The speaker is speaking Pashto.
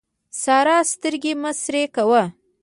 سارا سترګې مه سرې کوه.